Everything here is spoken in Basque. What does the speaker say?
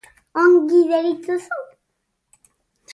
Ongi deritzozu?